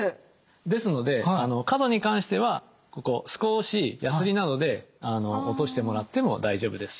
ですので角に関してはここ少しヤスリなどで落としてもらっても大丈夫です。